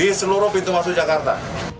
di seluruh pintu masuk jakarta